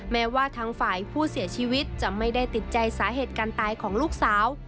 แม้ว่าทั้งฝ่ายผู้เสียชีวิตจะไม่ได้ติดใจสาเหตุการตายของลูกสาว